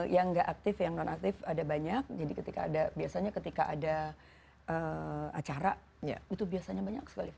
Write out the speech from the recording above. yang tidak aktif yang tidak aktif ada banyak jadi biasanya ketika ada acara itu biasanya banyak sekali